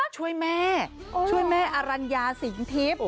ช่วยแม่ช่วยแม่อรัญญาสิงทิพย์